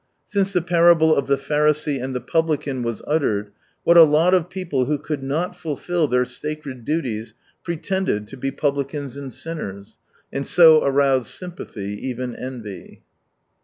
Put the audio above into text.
Since the parable of the Pharisee and the publican was uttered, what a lot of people who could not fulfil their sacred duties pretended to be publicans and sinners, and so aroused sympathy, even envy.